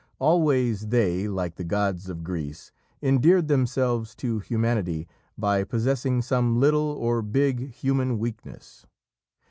Always they, like the gods of Greece, endeared themselves to humanity by possessing some little, or big, human weakness.